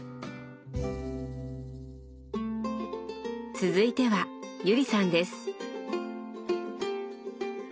続いては友里さんです。